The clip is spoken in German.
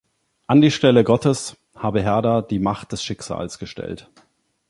An die Stelle Gottes habe Herder die „Macht des Schicksals“ gestellt.